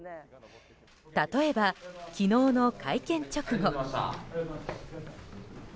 例えば昨日の会見直後。